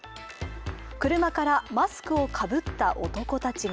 車からマスクをかぶった男たちが。